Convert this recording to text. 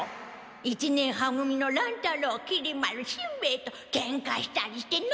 一年は組の乱太郎きり丸しんべヱとケンカしたりしてないかのう？